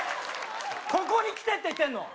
ここに来てって言ってんの！